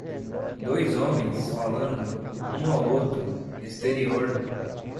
Dois homens, falando, um ao outro, exterior